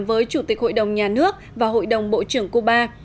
với chủ tịch hội đồng nhà nước và hội đồng bộ trưởng cuba